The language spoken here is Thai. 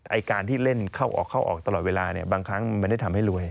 ไอ้การที่เล่นเข้าออกเข้าออกตลอดเวลาเนี่ยบางครั้งมันได้ทำให้รวย